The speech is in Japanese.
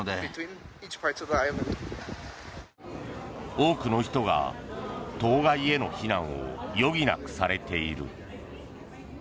多くの人が島外への避難を余儀なくされている。